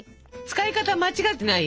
使い方間違っていない？